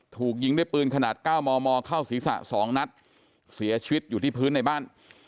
ถูกยิงด้วยปืนขนาด๙มมเข้าศีรษะ๒นัดเสียชีวิตอยู่ที่พื้นในบ้าน